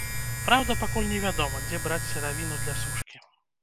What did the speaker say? Праўда, пакуль невядома, дзе браць сыравіну для сушкі.